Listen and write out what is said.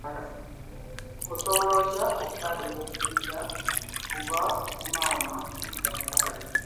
Osobola otya okutangira okusiiga okuva ku maama okudda ku mwana?